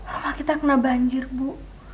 wah kita kena banjir bu